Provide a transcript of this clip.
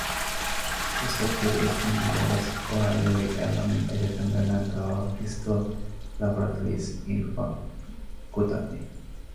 Posztdoktori ösztöndíjjal az Ohio Állami Egyetemre ment a Bristol Laboratories Inc.-ba kutatni.